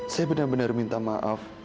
saya benar benar minta maaf